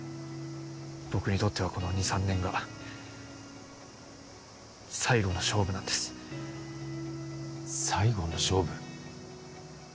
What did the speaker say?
僕にとってはこの２３年が最後の勝負なんです最後の勝負？